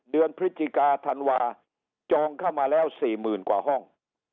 เดือนพฤศจิกาธันวาจองเข้ามาแล้วสี่หมื่นกว่าห้อง